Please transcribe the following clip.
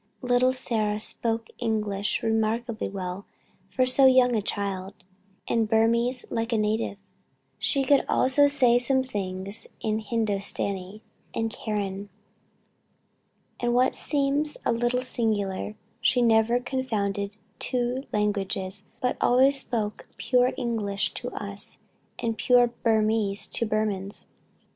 "Little Sarah spoke English remarkably well for so young a child, and Burmese like a native; she could also say some things in the Hindostanee and Karen, and what seems a little singular, she never confounded two languages, but always spoke pure English to us, and pure Burmese to Burmans.